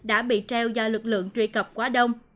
đã bị treo do lực lượng truy cập quá đông